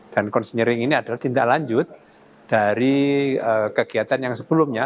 dan konselering ini adalah tindak lanjut dari kegiatan yang sebelumnya